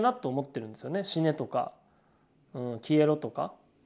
死ねとか消えろとか。